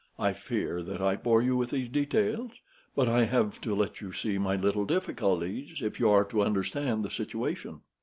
I fear that I bore you with these details, but I have to let you see my little difficulties, if you are to understand the situation."